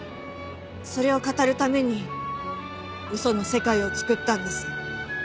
それを語るために嘘の世界を作ったんです。